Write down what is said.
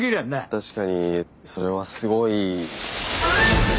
確かにそれはすごい。